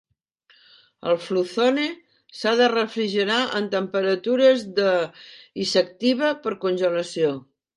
El Fluzone s'ha de refrigerar en temperatures de i s'inactiva per congelació.